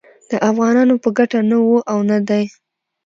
د افغانانو په ګټه نه و او نه دی